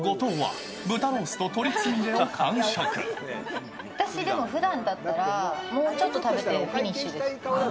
一方、私、でもふだんだったら、もうちょっと食べて、フィニッシュです。